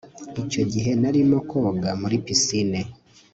Icyo gihe narimo koga muri pisine